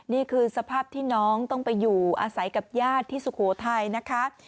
นี่คือสภาพที่น้องต้องไปอยู่อาศัยกับญาติที่สุโขทัยนะคะ